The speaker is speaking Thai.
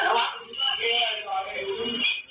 แหงละ